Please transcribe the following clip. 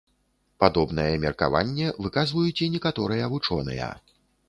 Падобнае меркаванне выказваюць і некаторыя вучоныя.